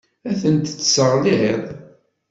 Ad tent-tesseɣliḍ.